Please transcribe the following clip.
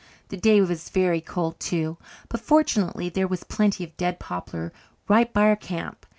The day was very cold too, but fortunately there was plenty of dead poplar right by our camp.